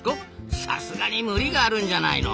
さすがに無理があるんじゃないの？